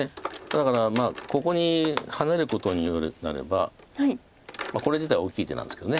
だからまあここにハネることになればこれ自体大きい手なんですけど。